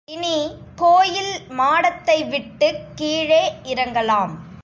இனி, கோயில் மாடத்தை விட்டுக் கீழே இறங்கலாம்.